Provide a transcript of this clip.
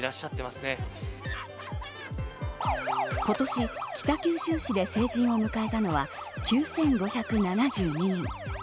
今年、北九州市で成人を迎えたのは９５７２人。